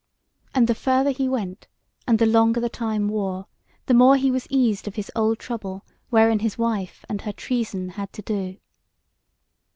And the further he went and the longer the time wore, the more he was eased of his old trouble wherein his wife and her treason had to do.